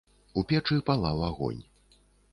У печы палаў агонь.